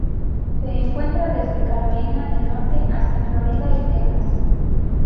Se encuentra desde Carolina del Norte hasta Florida y Texas.